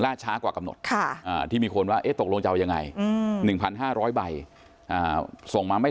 ช้ากว่ากำหนดที่มีคนว่าตกลงจะเอายังไง๑๕๐๐ใบส่งมาไม่